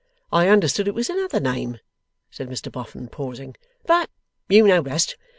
'I understood it was another name,' said Mr Boffin, pausing, 'but you know best.